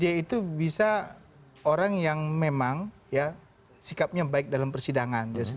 dia itu bisa orang yang memang sikapnya baik dalam persidangan